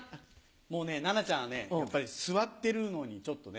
もうね菜那ちゃんはね座ってるのにちょっとね。